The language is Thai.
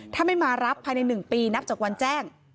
ถ้าไม่มารับภายใน๑ปีนับจากวันแจ้ง